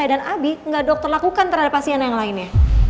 saya dan abi nggak dokter lakukan terhadap pasien yang lainnya